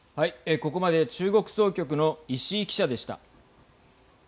ここまで中国総局の石井記者でした。